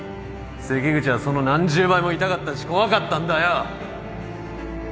関口はその何十倍も痛かったし怖かったんだよ！